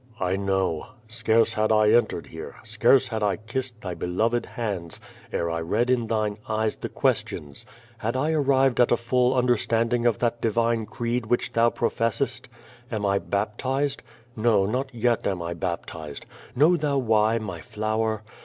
"I know. Scarce had I entered here, scarce had I kissed thy beloved hands, ere I read in thine eyes the questions. Had I arrived at a full understanding of that divine creed which thou profcssest? Am 1 baptized? No, not yet am I QUO VADIS. 287 baptized. Know thou why, my flower?